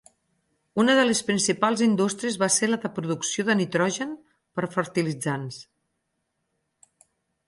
Una de les principals indústries va ser la de producció de nitrogen per fertilitzants.